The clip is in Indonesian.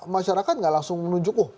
masyarakat gak langsung menunjuk oh